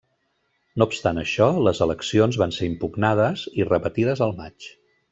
No obstant això, les eleccions van ser impugnades i repetides al maig.